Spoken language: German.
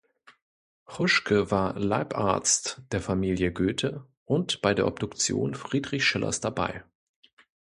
Huschke war Leibarzt der Familie Goethe und bei der Obduktion Friedrich Schillers dabei.